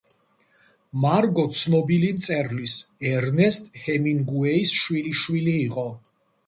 მარგო ცნობილი მწერლის ერნესტ ჰემინგუეის შვილიშვილი იყო.